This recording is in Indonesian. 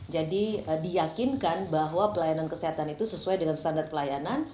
jadi diyakinkan bahwa pelayanan kesehatan itu sesuai dengan standar pelayanan